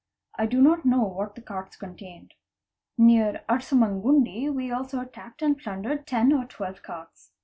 I do not know what the carts contained. Near Arsmangundi also we attacked and plundered 10 or 12 carts.